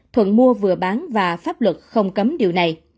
thuận mua vừa bán và pháp luật không cấm điều này